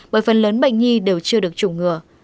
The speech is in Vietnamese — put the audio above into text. bởi phần lớn bệnh nhi đều chưa được chủng ngừa